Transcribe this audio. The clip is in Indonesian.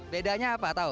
bedanya apa tau